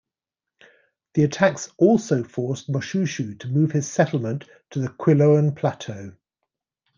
The attacks also forced Moshoeshoe to move his settlement to the Qiloane plateau.